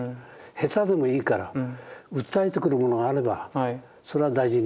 下手でもいいから訴えてくるものがあればそれは大事にしたいと思うんですね。